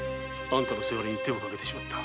あんたの息子に手をかけてしまった。